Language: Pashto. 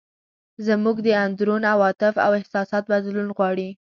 زموږ د اندرون عواطف او احساسات بدلول غواړي.